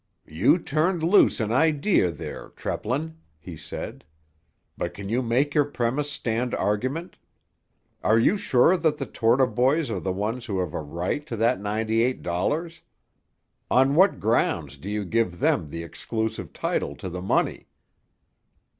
"You turned loose an idea there, Treplin," he said. "But can you make your premise stand argument? Are you sure that the Torta boys are the ones who have a right to that ninety eight dollars? On what grounds do you give them the exclusive title to the money?"